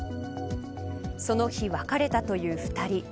その日別れたという２人。